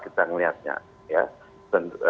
di dalam surat dakwaan